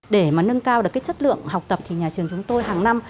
để mà nâng cao được cái chất lượng học tập thì nhà trường chúng tôi hàng năm